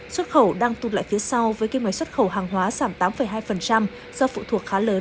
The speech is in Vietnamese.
xuất khẩu đang tuôn lại phía sau với kế ngoại xuất khẩu hàng hóa giảm tám hai do phụ thuộc khá lớn